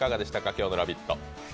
今日の「ラヴィット！」。